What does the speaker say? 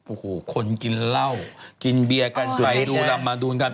โอ้โฮคนกินเล่ากินเบี้ยกันไปดูรามนูนกัน